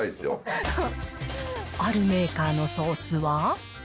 あるメーカーのソースは。